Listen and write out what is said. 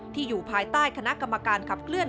อยู่ภายใต้คณะกรรมการขับเคลื่อน